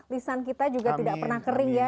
lisan kita juga tidak pernah kering ya